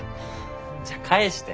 じゃ返して。